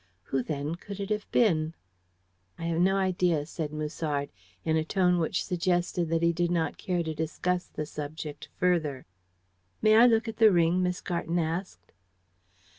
Who, then, could it have been?" "I have no idea," said Musard, in a tone which suggested that he did not care to discuss the subject further. "May I look at the ring?" Miss Garton asked.